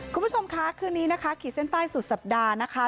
คุณผู้ชมค่ะคืนนี้นะคะขีดเส้นใต้สุดสัปดาห์นะคะ